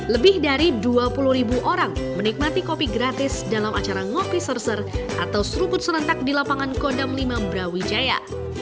lebih dari dua puluh ribu orang menikmati kopi gratis dalam acara ngopi serser atau seruput serentak di lapangan kodam lima brawijaya